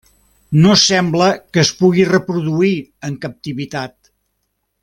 No sembla que es pugui reproduir en captivitat.